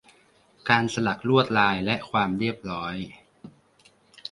การสลักลวดลาย และความเรียบร้อย